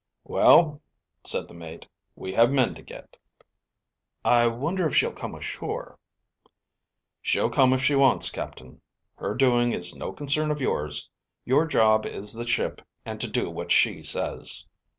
"Well," said the mate, "we have men to get." "I wonder if she'll come ashore?" "She'll come if she wants, Captain. Her doing is no concern of yours. Your job is the ship and to do what she says."